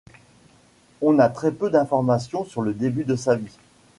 On a très peu d'informations sur le début de sa vie.